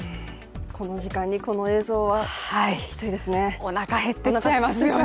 この時間にこの映像はきついですね。